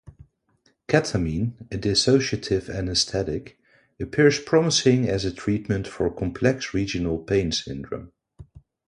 Ketamine, a dissociative anesthetic, appears promising as a treatment for complex regional pain syndrome.